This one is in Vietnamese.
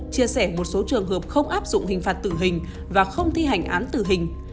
chia sẻ một số trường hợp không áp dụng hình phạt tử hình và không thi hành án tử hình